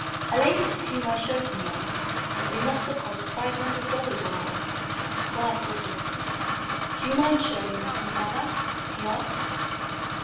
"A lady to whom I showed them once said they must have cost five hundred dollars or more." Grant whistled. "Do you mind showing them to me, mother?" he asked.